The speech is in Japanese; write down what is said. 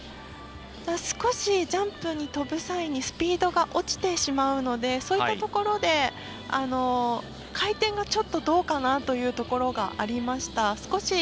少しジャンプを跳ぶ際にスピードが落ちてしまうのでそういったところで回転が、ちょっとどうかなというところがありました。